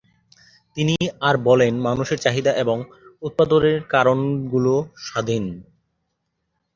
তিনি আর বলেন মানুষের চাহিদা এবং উৎপাদনের কারণ গুল স্বাধীন।